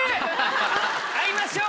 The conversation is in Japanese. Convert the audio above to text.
会いましょう。